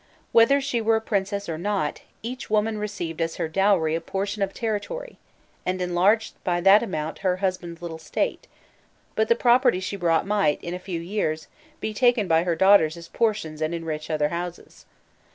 Whether she were a princess or not, each woman received as her dowry a portion of territory, and enlarged by that amount her husband's little state; but the property she brought might, in a few years, be taken by her daughters as portions and enrich other houses.